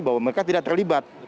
bahwa mereka tidak terlibat